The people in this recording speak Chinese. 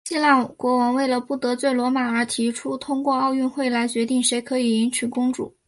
希腊国王为了不得罪罗马而提出通过奥运会来决定谁可以迎娶公主。